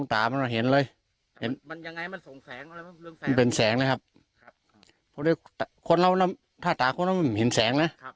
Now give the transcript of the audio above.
ทหัวจะเห็นเลยเป็นแสงนะครับครับคนเราน้ำให้เห็นแสงน่ะ